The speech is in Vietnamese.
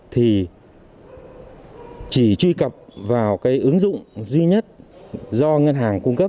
thì chỉ truy cập vào cái ứng dụng duy nhất do ngân hàng cung cấp